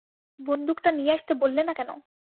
বন্দুকটা নিয়ে আসতে বললে না কেন?